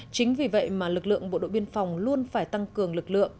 chính vì vậy mà lực lượng bộ đội biên phòng luôn phải tăng cường lực lượng